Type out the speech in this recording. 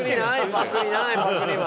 パクリないパクリは。